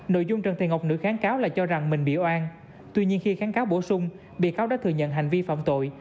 nội dung trần tiền ngọc nữ kháng cáo là cho rằng mình bị oan tuy nhiên khi kháng cáo bổ sung bị cáo đã thừa nhận hành vi phạm tội